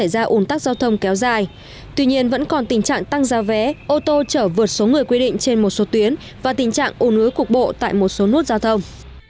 các giao thông kéo dài tuy nhiên vẫn còn tình trạng tăng giao vé ô tô trở vượt số người quy định trên một số tuyến và tình trạng ô núi cục bộ tại một số nút giao thông